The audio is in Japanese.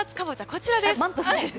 こちらです。